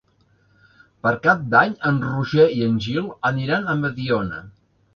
Per Cap d'Any en Roger i en Gil aniran a Mediona.